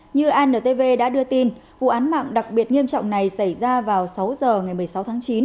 như antv đã đưa tin vụ án mạng đặc biệt nghiêm trọng này xảy ra vào sáu h ngày một mươi sáu tháng chín